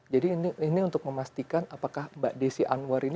ini untuk memastikan apakah mbak desi anwar ini